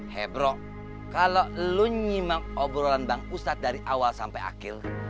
he bro kalau lo nyima obrolan bang ustadz dari awal sampai akhir